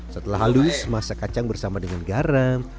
setelah halus masak kacang bersama dengan garam